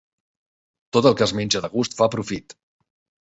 Tot el que es menja de gust fa profit.